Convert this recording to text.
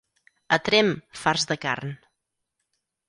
A Tremp, farts de carn.